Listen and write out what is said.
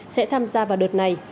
sẽ tham gia vào đợt này